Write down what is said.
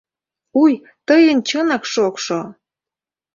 Уй, тыйын чынак шокшо-о!